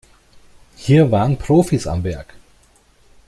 Hier waren Profis am Werk.